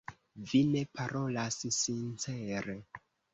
Vi ne parolas sincere.